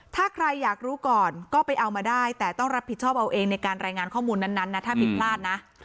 ถ้าใครอยากรู้ก่อนก็ไปเอามาได้แต่ต้องรับผิดชอบเอาเองในการรายงานข้อมูลนั้นนะถ้าผิดพลาดนะ